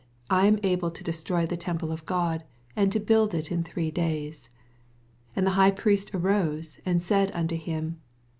I am able to destroy the temple of Goa, and to build it in three days. 62 And the High Priest arose, and said unto him.